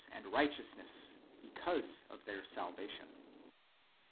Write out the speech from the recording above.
and righteousness, because of their salvation.